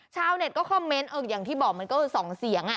ชาวเน็ตก็คอมเมนต์อย่างที่บอกมันก็๒เสียง